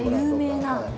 有名な。